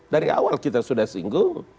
dari awal kita sudah singgung